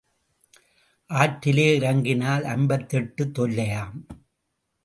ஆற்றிலே இறங்கினால் ஐம்பத்தெட்டுத் தொல்லையாம்.